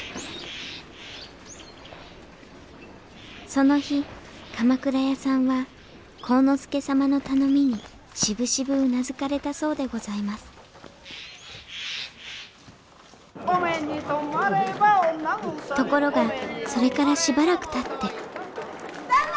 その日鎌倉屋さんは晃之助様の頼みにしぶしぶうなずかれたそうでございますところがそれからしばらくたって・旦那！